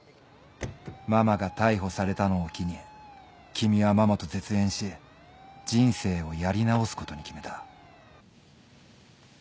ママが逮捕されたのを機に君はママと絶縁し人生をやり直すことに決めた。